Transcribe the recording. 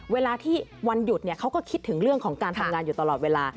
เวลาที่วันหยุดเขาก็คิดถึงเรื่องของการทำงานอยู่ตลอดเวลา